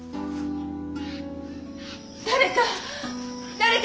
誰か！